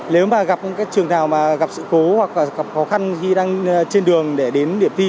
nếu mà gặp các trường nào mà gặp sự cố hoặc gặp khó khăn khi đang trên đường để đến điểm thi